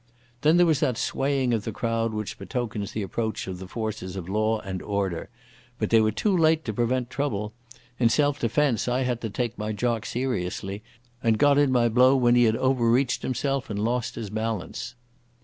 Then there was that swaying of the crowd which betokens the approach of the forces of law and order. But they were too late to prevent trouble. In self defence I had to take my jock seriously, and got in my blow when he had overreached himself and lost his balance.